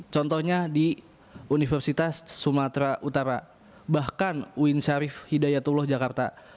contohnya di universitas sumatera utara bahkan uin syarif hidayatullah jakarta